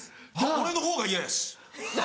俺のほうが嫌やし。